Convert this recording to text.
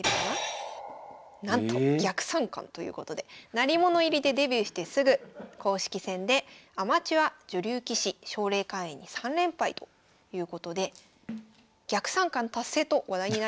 鳴り物入りでデビューしてすぐ公式戦でアマチュア女流棋士奨励会員に３連敗ということで逆三冠達成と話題になりました。